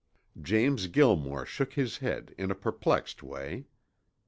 James Gilmore shook his head in a perplexed way.